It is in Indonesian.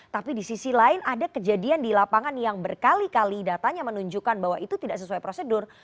tapi di sisi lain ada kejadian di lapangan yang berkali kali datanya menunjukkan bahwa itu tidak sesuai prosedur